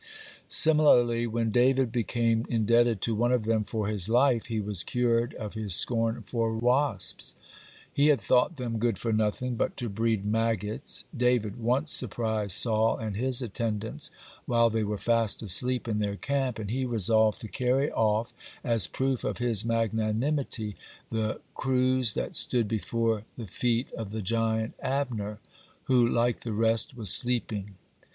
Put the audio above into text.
(47) Similarly, when David became indebted to one of them for his life, he was cured of his scorn for wasps. He had thought them good for nothing but to breed maggots. David once surprised Saul and his attendants while they were fast asleep in their camp, and he resolved to carry off, as proof of his magnanimity, the cruse that stood between the feet of the giant Abner, who like the rest was sleeping.